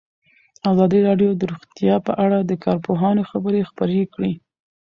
ازادي راډیو د روغتیا په اړه د کارپوهانو خبرې خپرې کړي.